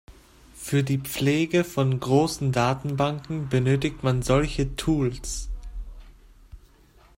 Für die Pflege von großen Datenbanken benötigt man solche Tools.